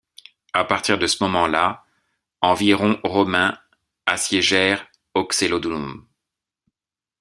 À partir de ce moment-là, environ Romains assiégèrent Uxellodunum.